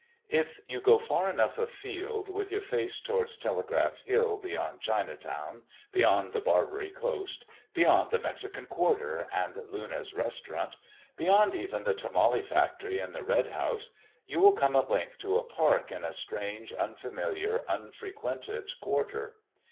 If you go far enough afield, with your face towards Telegraph Hill, beyond Chinatown, beyond the Barbary Coast, beyond the Mexican quarter and Luna's restaurant, beyond even the tamale factory and the Red House, you will come at length to a park in a strange, unfamiliar, unfrequented quarter.